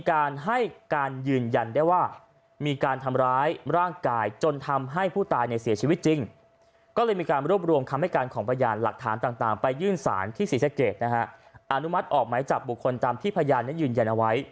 อันมัติออกหมายจากบุคคลจำที่ผยานยืนยันเอาไว้